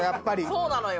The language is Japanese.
そうなのよ。